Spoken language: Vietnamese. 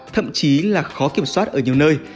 thậm chí là khó kiểm soát ở nhiều nơi